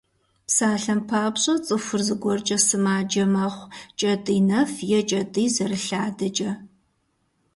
Псалъэм папщӏэ, цӏыхур зыгуэркӏэ сымаджэ мэхъу: кӏэтӏий нэф е кӏэтӏий зэрылъадэкӏэ.